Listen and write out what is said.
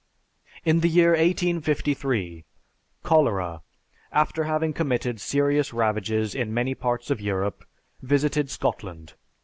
In the year 1853, cholera, after having committed serious ravages in many parts of Europe, visited Scotland.